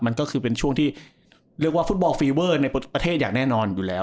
มันก็คือเป็นช่วงที่เรียกว่าฟุตบอลฟีเวอร์ในประเทศอย่างแน่นอนอยู่แล้ว